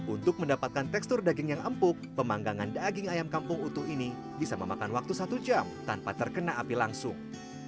untuk mendapatkan tekstur daging yang empuk pemanggangan daging ayam kampung utuh ini bisa memakan waktu satu jam tanpa terkena api langsung